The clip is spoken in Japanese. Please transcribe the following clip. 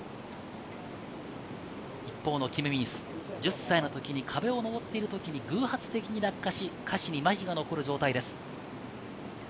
一方のキム・ミンス、１０歳の時に壁を登ってるときに偶発的に落下し下肢にまひが残る状態です。